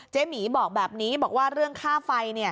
หมีบอกแบบนี้บอกว่าเรื่องค่าไฟ